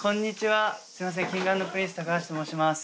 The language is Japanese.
「Ｋｉｎｇ＆Ｐｒｉｎｃｅ」橋と申します。